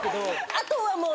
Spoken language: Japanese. あとはもう。